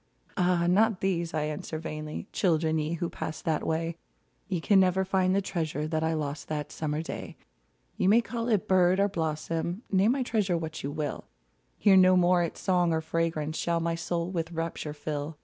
Ah ! not these, I answer vainly ; Children, ye who passed that way, Ye can never find the treasure That I lost that summer day ! You may call it bird or blossom ; Name my treasure what you will ; Here no more its song or fragrance Shall my soul with rapture fill.